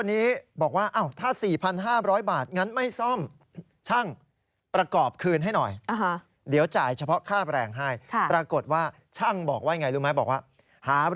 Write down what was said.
นั่นสิเธอก็แปลกใจฮะ